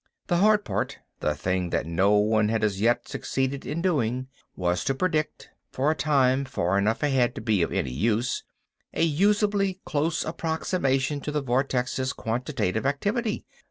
The hard part—the thing that no one had as yet succeeded in doing—was to predict, for a time far enough ahead to be of any use, a usably close approximation to the vortex's quantitative activity.